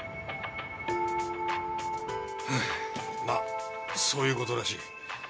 まあそういうことらしい。